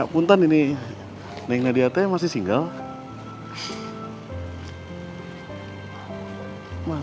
punten ini neng nadia masih single